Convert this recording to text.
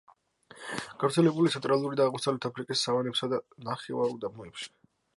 გავრცელებულია ცენტრალური და აღმოსავლეთი აფრიკის სავანებსა და ნახევარუდაბნოებში.